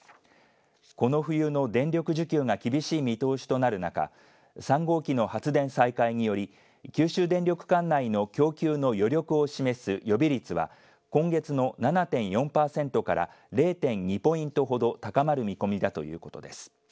この冬の電力需給が厳しい見通しとなる中３号機の発電再開により九州電力管内の供給の余力を示す予備率は今月の７．４パーセントから０．２ポイントほど高まる見込みだということです。